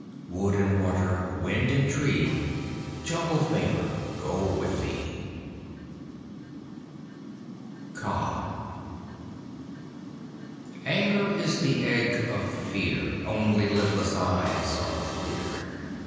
Wood and Water, Wind and Tree, Jungle Favor go with thee! KAA Anger is the egg of Fear Only lidless eyes are clear.